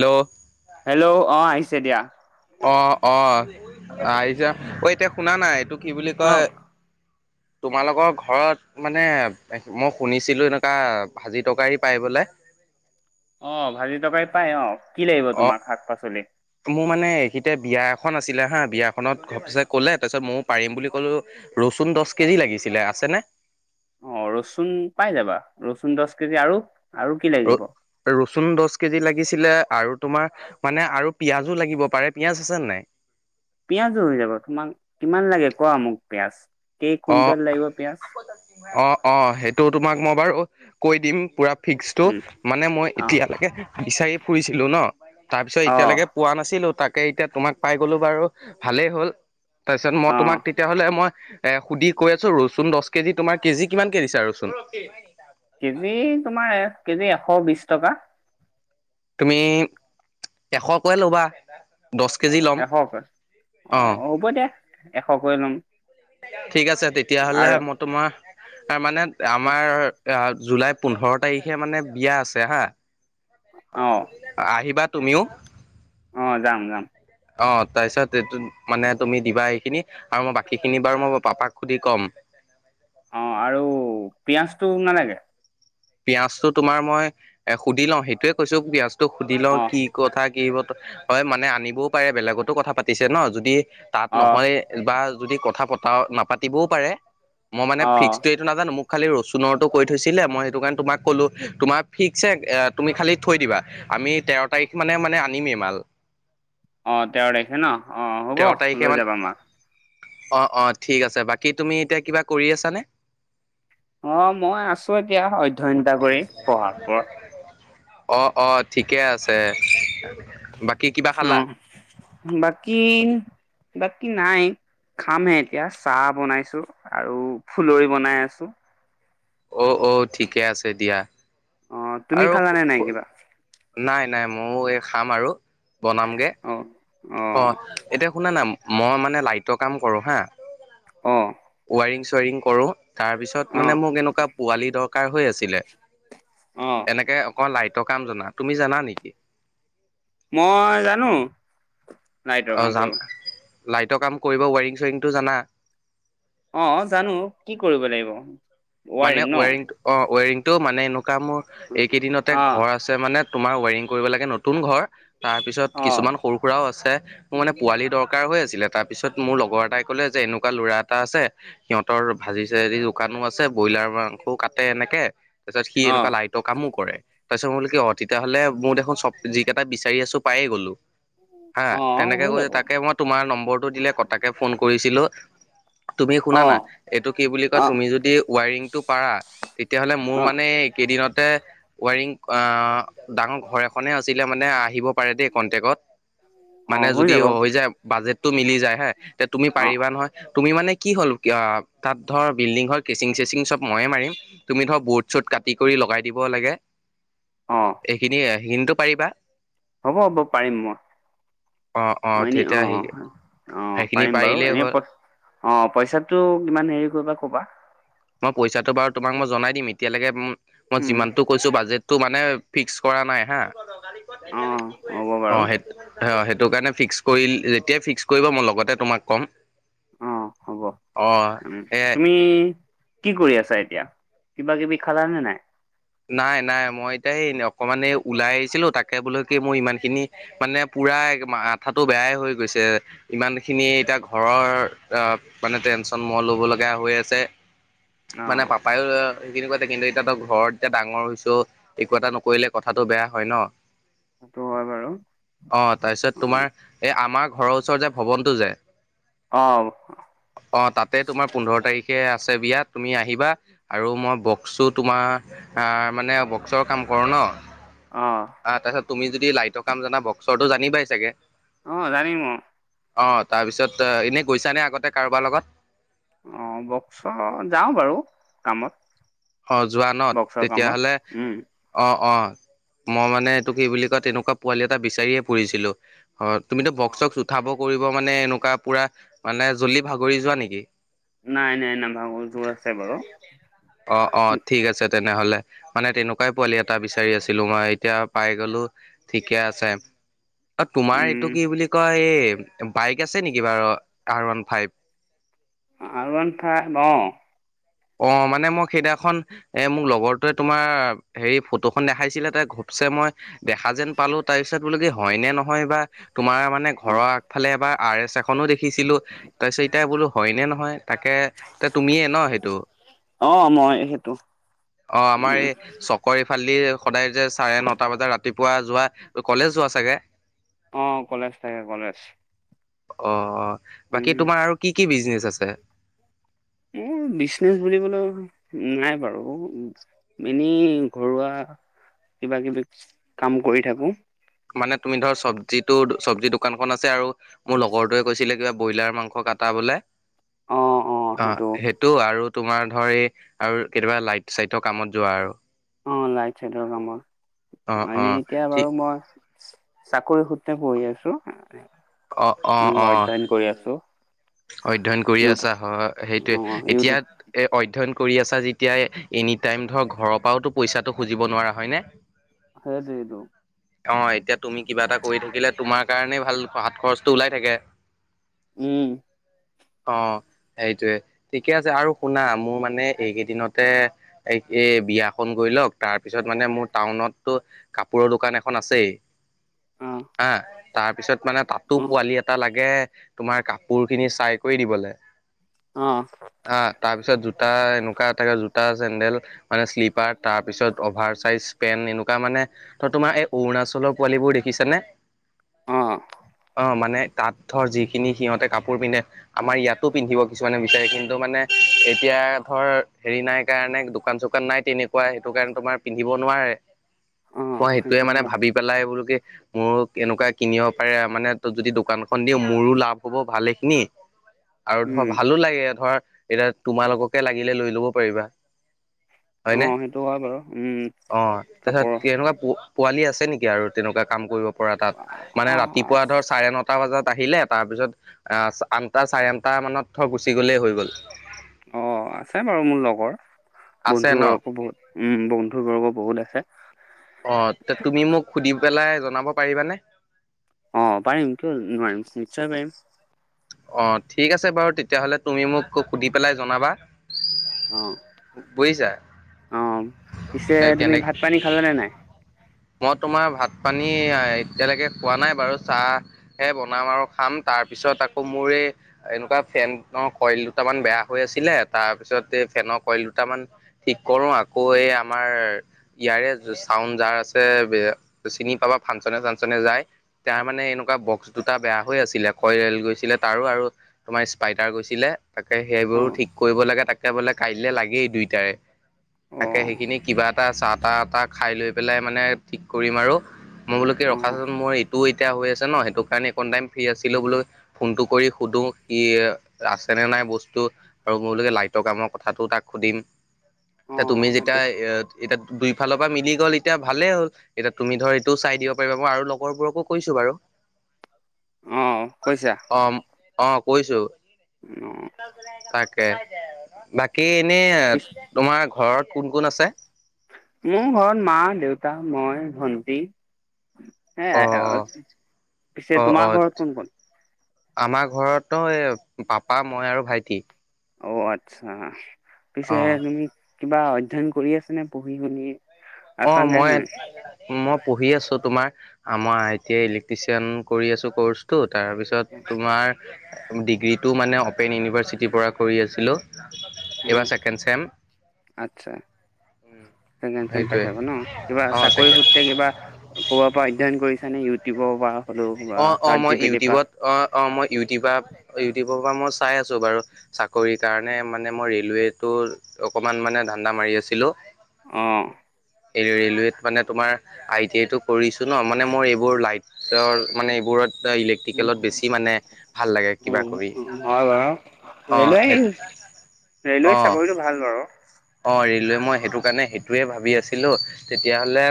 Hello hello, অ', আহিছে দিয়া। অ', অ', আহিছে, অ', এতিয়া শুনা নাই, এইটো কি বুলি অ কয়? তোমালোকৰ ঘৰত মানে, মই শুনিছিলো এনেকুৱা, ভাজি-তৰকাৰি পাই বোলে। [inaudible] অ', ভাজি-তৰকাৰী পাই অ'। কি লাগিব অ', তোমাক শাক পাচলি মোৰ মানে এইখিতে বিয়া এ এখন আছিলে হা, বিয়াখনত ঘপচে ক'লে, তাৰপিছত মই পাৰিম বুলি ক'লো, ৰচুন দহ কেজি লাগিছিলে আছ আছেনে? অ', ৰচুন পাই যাবা, ৰচুন দহ কেজি আৰু, আৰু কি ৰ লাগিব। ৰচুন দহ কেজি লাগিছিলে, আৰু তোমাৰ, মানে আৰু পিয়াজোও লাগিব পাৰে, পিয়াজ আছে নাই? পিয়ঁজোও হয় যাব, তোমাক, কিমান লাগে, কোৱা মোক পিয়াজ। কেই অ', কুইণ্টেল লাগিব পিয়াজ অ', অ', হেতু তোমাক মই বাৰু, কৈ দিম পুৰা। ফিক্সটো, উম মানে মই, অ এতিয়ালৈকে বিচাৰি ফুৰিছিলোঁ ন‌। তাৰপিছত অ এতিয়ালৈকে পোৱা নাছিলো তাক কে এতিয়া তোমাক পাই গ'লো বাৰু, ভালে হ'ল, তাৰপিছত মই অ তোমাক তেতিয়া হ'লে মই এহ‌, সুধি কৈ আছো ৰচুন দশ কেজি, তোমাৰ কেজি কিমান কে দিছা ৰচুন? কেজি তোমাৰ, কেজি এশ বিছ টকা। তুমি, এশকৈ ল'বা। দছ কেজি ল'ম, এশকৈ অ, এশ‌ কৈ ল'ম। ঠিক আছে তেতিয়া হ'লে আৰু মই তোমাৰ, মানে আমাৰ জুলাইৰ পোন্ধৰ তাৰিখে মানে বিয়া আছে হা, অ আহিবা তুমিও। অ', যাম যাম। অ', তাৰপিছত, মানে তুমি দিবা এইখিনি, আৰু মই বাকী খিনি বাৰু মই পাপাক সুধি কম। [inaudible] অ', আৰু, পিয়াজটো নালাগে? পিয়াজটো তোমাৰ মই, এ সুধি লওঁ সেইটোৱে কৈছোঁ পিয়াজটো সুধি লওঁ অ কি কথা কি [unintelligible] হয় মানে আনিবও পাৰে বেলেগতো কথা পাতিছে ন' যদি তাত অ নহয়, বা যদি কথা পতা নাপাতিবও পাৰে, মই মানে অ ফিক্সটোয়ে টো নাজানো মোক খালি ৰচুনৰটোৰ কৈ থৈছিলে, মই সেইটো কাৰণে তোমাক ক'লো, তোমাক ফিক্সছে এ তুমি খালি থৈ দিবা, আমি তেৰ' তাৰিখ মানে মানে আনিমে। মাল। অ', তেওৰ দেখে ন' অ, তেৰ হ'ব তাৰিখে লৈ মান যাবা আমাক। অ', অ, ঠিক আছে বাকী তুমি এতিয়া কিবা কৰি আছানে? অ', মই আছো এতিয়া অধ্যয়ন এটা কৰি। অ' অ', ঠিকেই আছে। বাকী কিবা খালা? অ', বাকী, বাকী নাই। খামহে এতিয়া, চাহ বনাইছোঁ আৰু ফুলৰি বনাই আছোঁ। অ' অ', ঠিকেই আছে দিয়া। অ', তুমি আৰু খালানে নাই কিবা? নাই নাই, মইও এই খাম আৰু বনামগে। অ অ', এতিয়া শুনা না, মই মানে লাইটৰ কাম কৰোঁ হা অ ৱাইৰিং-চোৱাৰিং কৰোঁ। তাৰ পিছত অ মানে মোক এনেকুৱা পোৱালি দৰকাৰ হৈ আছিলে, অ এনেকে অকল লাইটৰ কাম জনা, তুমি জানা নেকি? মই জানো, লাইটৰ অ' কাম জান কৰিব। লাইটৰ কাম কৰিব, ৱাৰিং চোৱাৰিংটো জানা? অ' জানো, কি কৰিব লাগিব? মানে ৱাৰিং ন ৱেৰিং-অ' ৱেৰিংটো মানে এনেকুৱা মোৰ এইকেইদিনতে অ ঘৰ আছে মানে তোমাৰ ৱায়াৰিং কৰিব লাগে, নতুন ঘৰ তাৰপিছত অ কিছুমান সৰু সুৰাও আছে, মোৰ মানে পোৱালি দৰকাৰ হৈ আ ছিলে, তাৰ পিছত মোৰ লগৰ এটাই ক'লে যে এনেকুৱা ল'ৰা এটা আছে, সিহঁতৰ ভাজি-চাজি দোকানো আছ আছে, ব্ৰইলাৰ মাংসও কাটে এনেকে, তাৰ পিছত সি অ এনেকুৱা লাইটৰ কামো কৰে। তাৰপিছত মই বুলো কি অ', তেতিয়াহ'লে মোৰ দেখোন চব-যিকেইটা বিচাৰি আছোঁ পাইয়ে গ'লো। হা, অ তেনেকে হৈ কৈছে, যাব তাকে মই তোমাৰ নম্বৰটো দিলে ক-তাকে ফোন কৰিছিলোঁ। তুমি শুনা অ না, এইটো কি বুলি কয় অ তুমি যদি ৱাইৰিংটো পাৰা তেতিয়াহ'লে মোৰ অ মানে এই কেইদিনত তে, ৱায়াৰিং-অ' ডাঙৰ ঘৰ এখনেই আছিলে, মানে আহ আহিব পাৰে দেই কনটেক্টত মানে অ' যদি যাব হৈ যায় বাজেটো মিলি যায় হে তে তুমি অ' পাৰিবা নহয় তুমি মানে কি হ'ল তাত ধৰ বিল্ডিং ঘৰ কেচিং চেচিং চব ময়ে মাৰিম তুমি ধৰ বৰ্ড চৰ্ড কাটি কৰি লগাই দিব লাগে অ' এইখিনিয়ে সি খিনিটো পাৰিবা হ'ব হ'ব পাৰিম মই অ এনে অ অ সেইখিনি পাৰিম বাৰু পাৰিলেই এনে হ'ল প অ পইচা টো কিমান হেৰি কৰিবা কবা মই পইচাটো বাৰু তোমাক মই জনাই দিম এতিয়ালৈকে মই উম যিমান টো কৈছো বাজেট তটো মানে ফিক্স কৰা নাই হা অ' হ'ব অ বাৰু সেই অ সেইটো কাৰণে ফিক্স কৰি যেতিয়াই ফিক্স কৰিব মই লগতে তোমাক ক'ম অ হ'ব অ উম এ তুমি কি কৰি আছা এতিয়া কিবা কিবি খালা নে নাই নাই নাই মই এতিয়া এই অকমান এই ওলাই আহিছিলো তাকে বোলে কি মোৰ ইমান খিনি মানে পোৰা প্ৰায় মাঠাটো বেয়াই হৈ গৈছে ইমান খিনি এতিয়া ঘৰৰ আ মানে টেন চন মোৰত ল'ব লগা হৈ আছে মানে অ' পাপায়ো সেইখিনি কয় কিন্তু এতিয়া তো ঘৰত এতিয়া ডাঙৰ হৈছো একো এটা নকৰিলে কথাটো বেয়া হয় ন সেইটো হয় বাৰু অ তাৰপিছত তোমাৰ অ' এই আমাৰ ঘৰৰ ওচৰৰ যে ভৱনটো যে অ' অ তাতে তোমাৰ পোন্ধৰ তাৰিখ কে আছে বিয়া তুমি আহিবা আৰু মই বক্সো তোমাৰ আহ মানে বক্সৰ কাম কৰোঁ ন অহ তাৰপিছত তুমি যদি লাইটৰ কাম জানা বস্ক' চৰটো জানিবাই চাগে অ জানিম অ অ তাৰপিছত এনে গৈছানে আগতে কাৰোবাৰ লগত? অ বক্স যাও বাৰু কামত। অ যোৱান বক্সৰ কামত তেতিয়াহলে উম অ অ। মই মানে এইটো কি বুলি কয় তেনেকুৱা পোৱালি এটা বিচাৰিয়ে ফুৰিছিলোঁ। হয় তুমিতো বক্স চক্স উঠাব কৰিব মানে এনেকুৱা পুৰা মানে জল্লি ভাগৰি যোৱা নেকি? নাই নাই নাভাগো জোৰ আছে বাৰু। অঁ অঁ ঠিক আছে তেনেহলে মানে তেনেকুৱাই পোৱালি এটা বিচাৰি আছিলো, মই এতিয়া পাই গলো ঠিকে আছে [inaudible] অঁ তোমাৰ এইটো উম কি বুলি কয় এই বাইক আছে নেকি বাৰু R one five R one five অঁ। অ মানে মই সেইদিনাখন এ মোক লগৰটোৱে তোমাৰ হেৰি ফটোখন দেখাইছিলে ত ঘ চে মই দেখা যেন পালো তাৰপিছত বোলো কি হয় নে নহয় বা। তোমাৰ মানে ঘৰৰ আগফালে এবাৰ আৰ এছ এখনো দেখিছিলোঁ তাৰপিছত এতিয়া বোলো হয়নে নহয়। তাকে এ তুমিয়ে ন সেইটো। অ মই সেইটো অ আমাৰ উম এই চকৰ এই খালি সদায় যে চাৰে নটা বজাত ৰাতিপুৱা যোৱা কলেজ যোৱা চাগে অঁ', কলেজ থাকে কলেজ। অঁ ', বাকী উম তোমাৰ আৰু কি কি বিজনেচ আছে? মোৰ বিচনেচ বুলিবলৈ নাই বাৰু এনেই ঘৰুৱা কিবা কিবি কাম কৰি থাকো। মানে তুমি ধৰ চবজি চব্জি দোকানখনন আছে, আৰু মোৰ লগৰটয়ে কৈছিলে কিবা ব্ৰইলাৰ মাংস কটা বোলে, অ অ অঁ, সেইটো আৰু তোমাৰ ধৰ এই আৰু কেতিয়াবা লাইট চাইট কামত যোৱা আৰু অঁ ', লাইট চাইটৰ অ কামত আ অ এতিয়া ঠিক বাৰু মই চাকৰি সূত্ৰে পঢ়ি আছো, অ অ অ এনেকে অধ্যয়ন কৰি আছো। অধ্যয়ন কৰি ইউট আছা হয়, সেইটোয়ে অ এতিয়া ইউটিউব এ অধ্যয়ন কৰি আছা যেতিয়া এনি টাইম ধৰ ঘৰৰ পৰাওতো পইচাটো খুজিব নোৱাৰা হয় ন। সেইটোৱেটো অ এতিয়া তুমি কিবা এটা কৰি থাকিলে তোমাৰ কাৰণেই ভাল হাত খৰচটো ওলাই থাকে। উম অ সেইটোৱে ঠিকে আছে আৰু শুনা মোৰ মানে এইকেইদিনতে এই এ বিয়াখন গৈ লওক, তাৰপিছত মানে মোৰ টাউনতটো কাপোৰৰ দোকান এখন আছেই আহ তাৰ পিছত মানে তাতো পোৱালি এটা লাগে, তোমাৰ কাপোৰ খিনি চাই কৰি দিবলৈ অ তাৰ পিছত জোতা এনেকুৱা এটাকে জোতা চেডেল মানে শ্লিপাৰ তাৰ পিছত অভাৰ চাইজ পেন এনেকুৱা মানে ত তোমাৰ এই অৰুণাচলৰ পোৱালিবোৰ দেখিছে নে অ অ মানে তাত ধৰ যিখিনি সিহঁতে কাপ কাপোৰ পিন্ধে আমাৰ ইয়াতো পিন্ধিব কিছুমানে বিচাৰে কিন্তু মানে এতিয়া ধৰ হেৰি নাই কাৰণে দোকান চোকান নাই তেনেকুৱা সেইটো কাৰণে তোমাৰ পিন্ধিব নোৱাৰে। অ মই সেইটোয়ে সেইটো মানে হয় ভাবি পেলাই, বোলো কি মোক এনেকুৱা কিনিব পাৰে। মানে যদি দোকানখন দিও, মোৰো লাভ হ'ব ভালে নি, আৰু ধৰ উম ভালো লাগে, ধৰ, এতিয়া তোমালোককে লাগিলে লৈ ল'ব পাৰিবা। অ হয়নে, সেইটো হয় বাৰু উম অ', তাছত কাপোৰৰ তেনেকুৱা পো পোৱালি আছে নেকি আৰু তেনেকুৱা কাম কৰিব পৰা তাত, মানে ৰাতিপুৱা ধৰ চাৰে নটা বজাত আহিলে, তাৰ পিছত, আ-আঠটা চাৰে আঠটা মানত থ', গুচি গ'লেই হৈ গ'ল। অ', আছে বাৰু মোৰ লগৰ। আছে ন? বন্ধুবৰ্গ বহুত, উম', বন্ধুবৰ্গ বহুত আছে। অ', তুমি মোক, সুধি পেলাই জনাব পাৰিবানে? অ', পাৰিম, কিয় নোৱাৰিম, নিশ্চয় পাৰিম। অ', ঠিক আছে বাৰু তেতিয়াহ'লে তুমি মোক, সুধি পেলাই জনাবা। অ বুজিছা? অ, পিছে, এ তুমি কেনে ভাত পানী খালানে নাই? মই তোমাৰ, ভাত পানী এতিয়ালৈকে খোৱা নাই বাৰু চাহহে, বনাম আৰু খাম, তাৰপিছত আকৌ মোৰ এ এনেকুৱা ফেনৰ, কইল দুটামান বেয়া হৈ আছিলে, তাৰ পিছত এই ফেনৰ কইল দুটামান থিক কৰো, আকৌ এই আমাৰ, ইয়াৰে চাউন'ড যাৰ আছ [unintelligible] চিনি পাবা ফাংচনে চাংচনে যায়। তাৰ মানে, এনেকুৱা বক্স দুটা বেয়া হৈ আছিলে। কয়ৰেল গৈছিলে তাৰো আৰু, তোমাৰ স্পাইটাৰ গৈছিলে, তাকে অ সেইবোৰো ঠিক কৰিব লাগে, তাকে বোলে কাইলৈ লাগেই দুইটায়ে। অ তাকে সেইখিনি কিবা এটা চাহ তাহ তা-তাহ খাই লৈ পেলাই মানে, ঠিক কৰিম আৰু। মই বোলো কি, অ ৰখা চুন মোৰ এইটোও এতিয়া হৈ আছে ন', সেইটো কাৰণে এইকণ টাইম ফ্ৰী আছিলো বোলো, ফোনটো কৰি সুধ ও, ই আছে নে নাই বস্তু, আৰু মই বোলো লাইটৰ কামৰ কথাটো তাক সুধিম। অ এ তুমি যেতিয়া, সেইটো এ-এতিয়া, দুই ফালৰ পৰা মিলি গ'ল এ এতিয়া ভালে হ'ল। এতিয়া তুমি ধৰ এইটোও চাই দিব পাৰিবা, মই আৰু লগৰবোৰকো কৈছো বাৰু। অ কৈছা [inaudible] অ অ কৈছো অ [unintelligible] এ, বাকী এনে, পিছ তোমাৰ ঘৰত কোন কোন আছে? মোৰ ঘৰত, মা, দেউতা, মই, ভন্টি। অ সেইয়াই আৰু, পিছে অ অ অ তোমাৰ ঘৰত কোন কোন? আমাৰ ঘৰত, তইঅ পাপা, মই আৰু ভাইটি। অ', আচ্ছা অ পিছে তুমি, কিবা অধ্যয়ন কৰি আচা নে, পঢ়ি শুনি? অ আছা নে নাই মই-মই, পঢ়ি আছো তোমাৰ অ মই আই টি আই ইলেক্ট্ৰিচিয়ান কৰি আছো কৰ্চটো, তাৰপিছত তোমাৰ ডিগ্ৰীটো মানে অপেন ইউনিভাৰ্চিটিৰ পৰা কৰি আছিলোঁ। উম, এইবাৰ ছেকেণ্ড চেম। আচ্ছা ছেকেণ্ড ছেম সেইটোৱে পাইছেগৈ ন', কিবা অ চাকৰি তাকে সূত্ৰে কিবা প কবাৰ পা অধ্যয়ন কৰিছ নে, ইউটিউবৰ পৰা? হ'লেও বা অ' অ' চাৰ্ট জি মই পি টিৰ পৰা ইউটিউবত, অ' অ' মই ইউটিউব ইউটিউবৰ পৰা মই চা চাই আছো বাৰু চাকৰি কাৰণে মানে মই ৰেলৱেতটো অকমান মানে ধান্দা মাৰি আছিলো। অ। এই ৰেলৱেত মানে তোমাৰ, আই টি আই টো কৰিছো ন', মানে মোৰ এইবোৰ লাইটৰ মানে এইবোৰত ইলেক্ট্ৰিকেলত বেছি মানে ভাল লাগে কিবা কৰি। হয় বাৰু অঁ ৰেলৱে সেই এই ৰেলৱে অঁ চাকৰিটো ভাল বাৰু। অঁ' ৰেলৱে মই সেইটো কাৰণে সেইটোৱে ভাবি আছিলোঁ, তেতিয়াহলে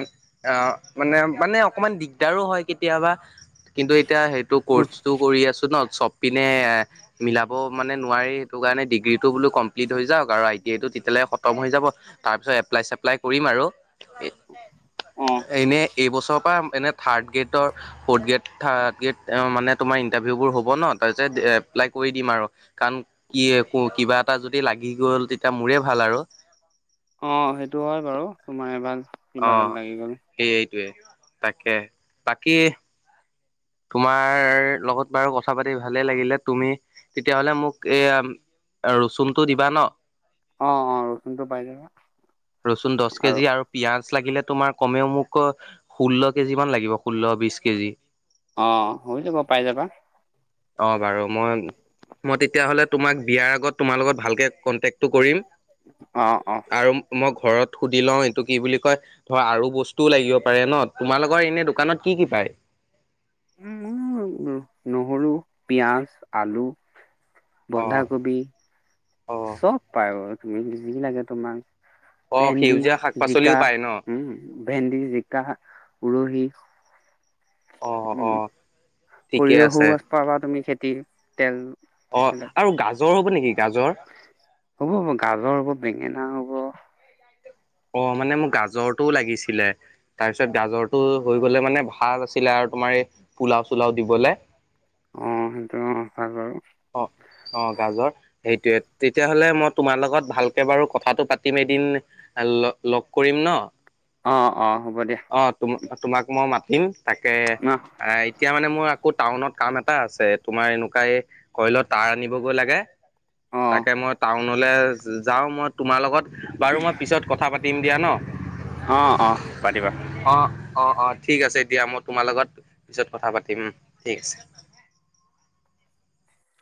অ' মানে মানে অকমান দিগদাৰো হয় কেতিয়াবা কিন্তু এতিয়া সেইটো কৰ্চটো কৰি আছো ন' চব পিনে মিলাব মানে নোৱাৰি সেইটো কাৰণে ডিগ্ৰীটো বোলো কমপ্লিট হৈ যাওক আৰু আই টি আই টো তেতিয়ালে ক তম হৈ যাব, তাৰ পিছত এপ্লাই চেপ্লাই কৰিম আৰু। অঁ এনে এইবছৰৰ পৰা এনে third grade fourth grade third grade মানে তোমাৰ ইণ্টাৰভিউবোৰ হ'ব ন, তাৰিছত এপ্লাই কৰি দিম আৰু। কাৰণ কি ক কিবা এটা যদি লাগি গ'ল তেতিয়া মোৰে ভাল আৰু। অ সেইটো হয় বাৰু তোমাৰ ভাল অ কিবা এটা লাগি গলে। সেই তাকে বাকী তোমাৰ লগত বাৰু কথা পাতি ভালে লাগিলে তুমি তেতিয়াহলে মোক এ ৰচুনটো দিবা ন? অঁ অঁ ৰচুনটো পাই যাবা ৰচুন দহ কেজি আৰু পিয়াজ। মাছ লাগিলে তোমাৰ কমেও মোক ষোল্ল কেজি মান লাগিব ষোল্ল-বিশ কেজি। অ' হৈ যাব পাই যাবা। অ' বাৰু মই মই তেতিয়াহ'লে তোমাক বিয়াৰ আগত তোমাৰ লগত ভালকে কন্টেক্টটো কৰিম। অ' অ'। আৰু মই ঘৰত সুধি লওঁ, এইটো কি বুলি কয় ধৰ আৰু বস্তুও লাগিব পাৰে ন। তোমালোকৰ এনে দোকানত কি কি পায়? [inaudible] উম নহৰু, পিয়াজ, আলু অ বন্ধাকবি, অ চব পাই তুমি যি লাগে তোমাক। অ ভেন্দি, সেউজীয়া শাক পাচলিও জিকা, পায় ন? উম ভেন্দি, জিকা। উৰহি। অ উম, অ ঠিকে আছে সৰিয়হ পাবা তুমি খেতি তেল। অ' বিলাক আৰু গাজৰ হ'ব নেকি? গাজৰ? হ'ব হ'ব গাজৰ হ'ব, বেঙেনা হ'ব। অ' মানে মোক গাজৰটোও লাগিছিলে, তাৰপিছত গাজৰটো হৈ গলে মানে ভাল আছিলে। তোমাৰ এই পোলাও-চোলাও দিবলে। অ' সেইটো হয় বাৰু। অ'। অ' গাজৰ সেইটোয়ে, তেতিয়াহ'লে মই তোমাৰ লগত ভালকে বাৰু কথাটো পাতিম এদিন। লগ কৰিম ন, অ অ হ'ব দিয়া অ' তো-তোমাক মই মাত তিম তাকে অ আহ এতিয়া মানে মোৰ আকৌ টাউনত কাম এটা আছে তোমাৰ এনেকুৱাই। কইলত তাঁৰ আনিবগৈ লাগে, অ তাকে মই টাউনলৈ যাওঁ। মই তোমাৰ লগত বাৰু মই পিছত কথা পাতিম দিয়া ন। অ' অ' পাতিবা। অ অ' অ' ঠিক আছে এতিয়া মই তোমাৰ লগত পিছত কথা পাতিম, ঠিক আছে।